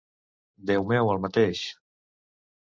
Déu meu, el mateix!